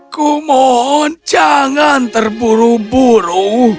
kumohon jangan terburu buru